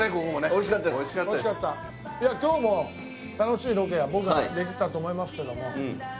いや今日も楽しいロケは僕はできたと思いますけども。